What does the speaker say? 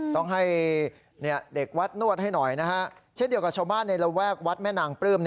ต้องให้เด็กวัดนวดให้หน่อยนะฮะเช่นเดียวกับชาวบ้านในระแวกวัดแม่นางปลื้ม